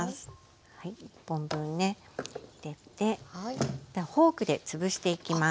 １本分ね入れてフォークで潰していきます。